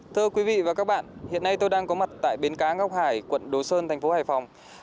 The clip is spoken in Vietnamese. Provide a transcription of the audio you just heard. thưa quý vị và các bạn hiện nay tôi đang có mặt tại bến cá ngọc hải quận đồ sơn thành phố hải phòng